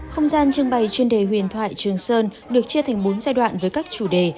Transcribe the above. không gian trưng bày chuyên đề huyền thoại trường sơn được chia thành bốn giai đoạn với các chủ đề